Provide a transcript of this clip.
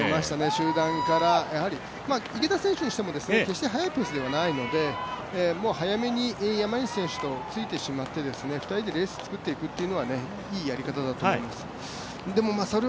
集団から、池田選手からしても決して速い選手ではないので早めに山西選手についてしまって、２人でレース作っていくのはいいやり方だと思います。